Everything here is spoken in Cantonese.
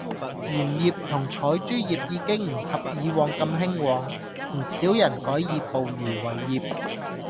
鹽業同採珠業已經唔及以往咁興旺，唔少人改以捕漁為業